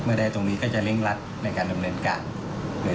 ได้ตรงนี้ก็จะเร่งรัดในการดำเนินการ